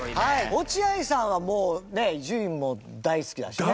落合さんはもうね伊集院も大好きだしね。